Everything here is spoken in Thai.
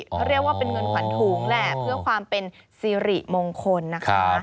เขาเรียกว่าเป็นเงินขวัญถุงแหละเพื่อความเป็นสิริมงคลนะคะ